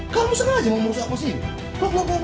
kamu sekarang aja mau merusak kos ini